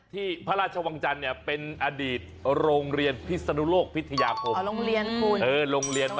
ที่พระราชวังจันทร์เป็นอดีตโรงเรียนพิศนุโลกพิทยาคม